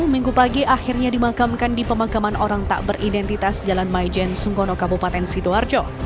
minggu pagi akhirnya dimakamkan di pemakaman orang tak beridentitas jalan maijen sungkono kabupaten sidoarjo